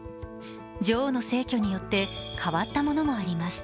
女王の逝去によって変わったものもあります。